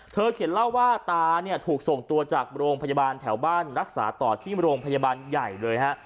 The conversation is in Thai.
เขียนเล่าว่าตาเนี่ยถูกส่งตัวจากโรงพยาบาลแถวบ้านรักษาต่อที่โรงพยาบาลใหญ่เลยฮะ